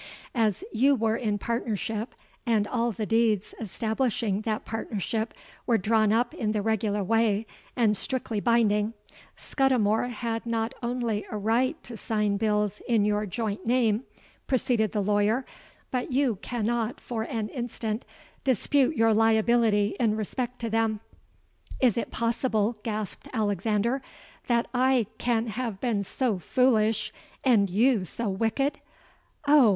—'As you were in partnership, and all the deeds establishing that partnership were drawn up in the regular way and strictly binding, Scudimore had not only a right to sign bills in your joint name,' proceeded the lawyer, 'but you cannot for an instant dispute your liability in respect to them.'—'Is it possible,' gasped Alexander, 'that I can have been so foolish and you so wicked? Oh!